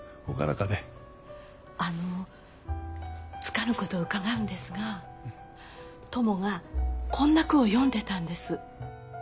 あのつかぬことを伺うんですがトモがこんな句を詠んでたんです。